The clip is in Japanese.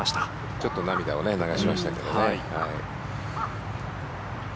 ちょっと涙を流しましたけどね。